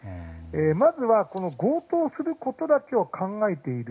まずは、強盗することだけを考えている。